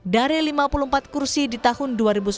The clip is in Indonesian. dari lima puluh empat kursi di tahun dua ribu sembilan belas